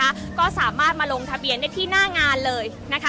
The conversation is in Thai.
อาจจะออกมาใช้สิทธิ์กันแล้วก็จะอยู่ยาวถึงในข้ามคืนนี้เลยนะคะ